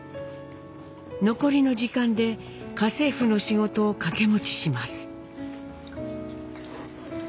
残りの時間で家政婦の仕事を掛け持ちします。